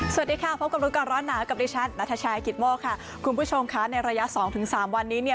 สวัสดีค่ะพบกับลูกการร้อนหนาวกับดิชันนทชัยกิทโมคค่ะคุณผู้ชมครับในระยะ๒๓วันนี้เนี่ย